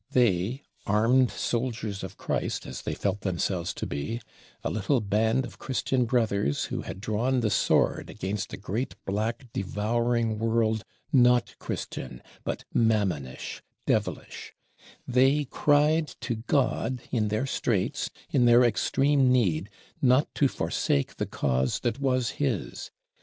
They, armed Soldiers of Christ, as they felt themselves to be; a little band of Christian Brothers, who had drawn the sword against a great black devouring world not Christian, but Mammonish, Devilish, they cried to God in their straits, in their extreme need, not to forsake the Cause that was His.